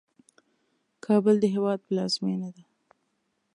کابل د هیواد پلازمینه ده